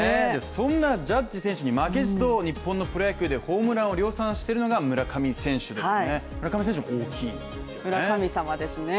そんなジャッジ選手に負けじと日本のプロ野球でホームランを量産しているのが村上選手ですね、村上選手も大きいですね。